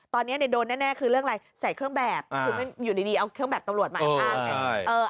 ตอนนี้โดนแน่คือเรื่องอะไรใส่เครื่องแบบคืออยู่ดีเอาเครื่องแบบตำรวจมาแอบอ้างไง